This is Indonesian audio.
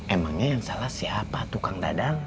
emangnya yang salah siapa tukang dadang